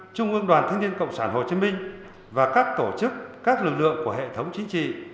trung ương đoàn thanh niên cộng sản hồ chí minh và các tổ chức các lực lượng của hệ thống chính trị